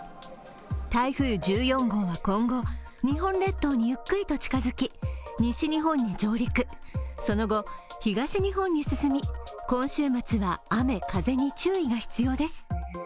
台風１４号は今後、日本列島にゆっくりと近づき西日本に上陸、その後、東日本に進み今週末は雨、風に注意が必要です。